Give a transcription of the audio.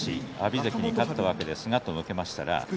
関に勝ったわけですがと聞きました。